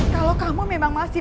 kalau kamu memang masih